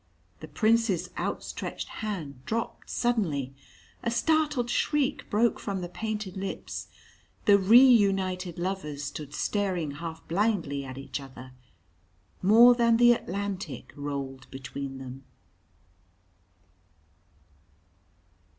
The Prince's outstretched hand dropped suddenly. A startled shriek broke from the painted lips. The re united lovers stood staring half blindly at each other. More than the Atlantic rolled between them.